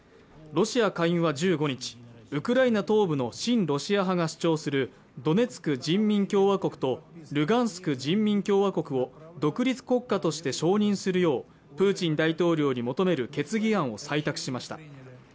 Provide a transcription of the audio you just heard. ロシア下院は１５日ウクライナ東部の親ロシア派が主張するドネツク人民共和国とルガンスク人民共和国を独立国家として承認するようプーチン大統領に求める決議案を採択しました